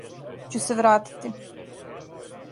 Ћу се вратити.